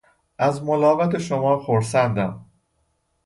از ملاقات شما خرسندم!